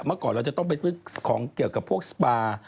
เมื่อก่อนเราจะต้องไปซื้อของเกี่ยวกับพวกสปา